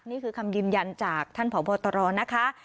นี่คือคำยืนยันจากท่านผอบตรนะคะ